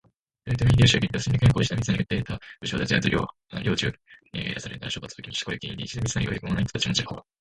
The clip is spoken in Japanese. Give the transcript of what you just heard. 豊臣秀吉は激怒。戦略変更を石田三成に訴えた武将達は領地を減らされるなどの処罰を受けました。これが原因で石田三成を良く思わない人たちもちらほら。